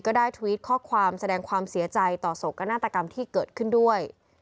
ได้ทวิตข้อความแสดงความเสียใจต่อโศกนาฏกรรมที่เกิดขึ้นด้วย